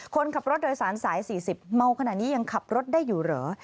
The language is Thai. คนขับรถโดยสารสาย๔๐เมาขนาดนี้ยังขับรถได้อยู่เหรอ